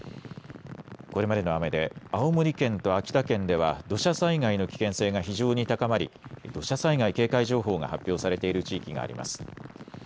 これまでの雨で青森県と秋田県では、土砂災害の危険性が非常に高まり、土砂災害警戒情報が発表されている地域があります。